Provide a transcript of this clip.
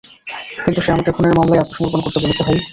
কিন্তু সে আমাকে খুনের মামলায় আত্মসমর্পণ করতে বলছে, ভাই।